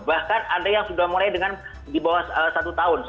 bahkan ada yang sudah mulai dengan di bawah satu tahun